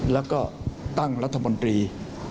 แล้วก็ตั้งรัฐมนตรี